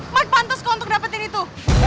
mar pantas kok untuk dapetin itu